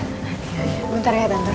sebentar ya tantor